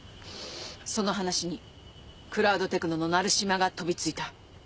その話にクラウドテクノの成島が飛びついた。